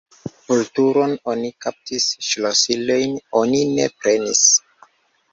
Vulturon oni kaptis, ŝlosilojn oni ne prenis!